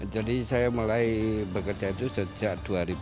jadi saya mulai bekerja itu sejak dua ribu empat